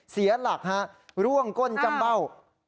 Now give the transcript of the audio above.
เสียหลักฮะร่วงก้นจำเบ้า